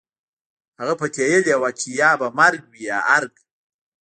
هغه پتېيلې وه چې يا به مرګ وي يا ارګ.